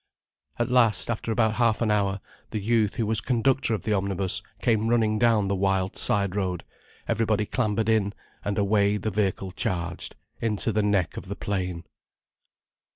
At last, after about half an hour, the youth who was conductor of the omnibus came running down the wild side road, everybody clambered in, and away the vehicle charged, into the neck of the plain.